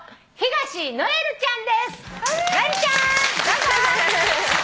東ノエルちゃんです。